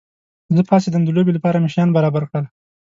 زه پاڅېدم، د لوبې لپاره مې شیان برابر کړل.